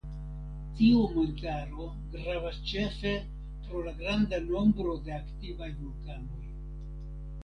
Tiu montaro gravas ĉefe pro la granda nombro de aktivaj vulkanoj.